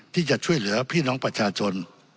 ที่จะช่วยเหลือพี่น้องประชาชน